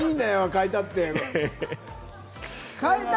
変えたって。